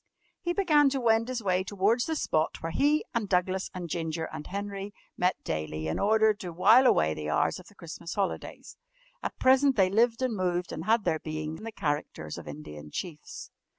He began to wend his way towards the spot where he, and Douglas, and Ginger, and Henry met daily in order to wile away the hours of the Christmas holidays. At present they lived and moved and had their being in the characters of Indian Chiefs.